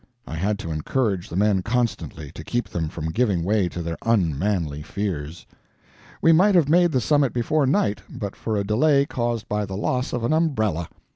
I had to encourage the men constantly, to keep them from giving way to their unmanly fears. We might have made the summit before night, but for a delay caused by the loss of an umbrella.